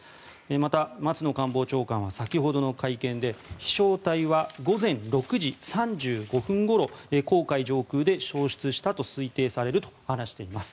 また松野官房長官は先ほどの会見で飛翔体は午前６時３５分ごろ黄海上空で消失したと推定されると話しています。